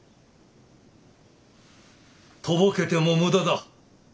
とぼけても無駄だ。